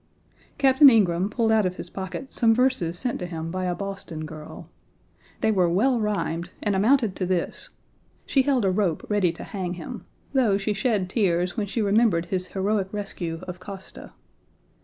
Captain Ingraham pulled out of his pocket some verses sent to him by a Boston girl. They were well rhymed and amounted to this: she held a rope ready to hang him, though she shed tears when she remembered his heroic rescue of Koszta.